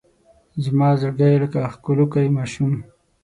زما زړګی لکه ښکلوکی ماشوم